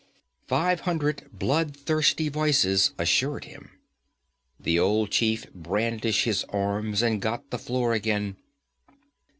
five hundred bloodthirsty voices assured him. The old chief brandished his arms and got the floor again.